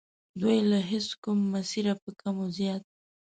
دوی له هیچ کوم مسیره په کم و زیات.